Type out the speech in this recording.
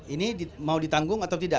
ini mau ditanggung atau tidak